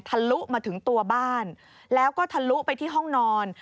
ลุมาถึงตัวบ้านแล้วก็ทะลุไปที่ห้องนอน